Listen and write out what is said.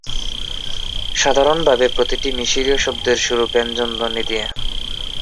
সাধারণভাবে প্রতিটি মিশরীয় শব্দের শুরু ব্যঞ্জনধ্বনি দিয়ে।